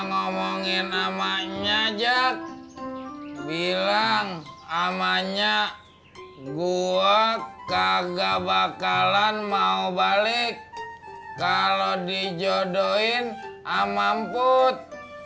ngomongin samanya jack bilang amannya gua kagak bakalan mau balik kalau dijodohin amamput